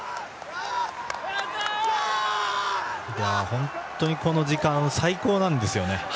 本当にこの時間が最高なんですよね。